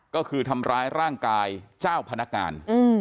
ก็คือทำร้ายร่างกายเจ้าพนักงาน